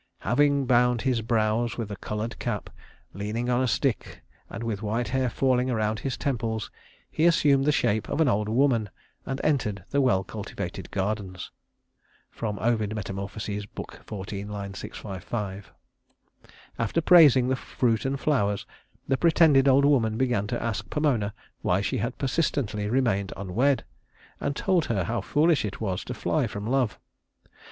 "Having bound his brows with a colored cap, leaning on a stick and with white hair falling around his temples, he assumed the shape of an old woman and entered the well cultivated gardens." After praising the fruit and flowers, the pretended old woman began to ask Pomona why she had persistently remained unwed, and told her how foolish it was to fly from love.